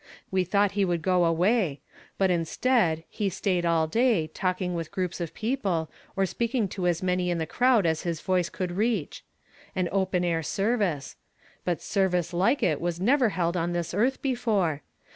We thought he would go away ; but instead, he stayed all day, talking with groups of people, or s])eaking to as many in the crowd as his voice could reach. An open air service ; l)ut service like it was never held on this earth before.